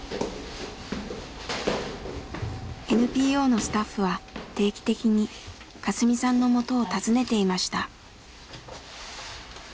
ＮＰＯのスタッフは定期的にカスミさんのもとを訪ねていました。